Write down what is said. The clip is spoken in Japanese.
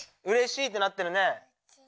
うれしいってなってるね。